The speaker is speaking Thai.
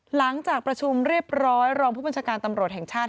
หลังจากประชุมเรียบร้อยรองผู้บัญชาการตำรวจแห่งชาติ